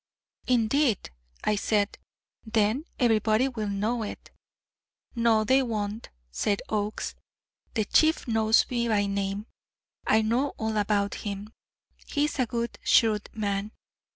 "Indeed," I said; "then everybody will know it." "No, they won't," said Oakes. "The Chief knows me by name. I know all about him; he is a good, shrewd man.